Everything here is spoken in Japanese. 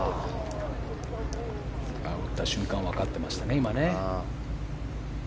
打った瞬間分かっていましたね。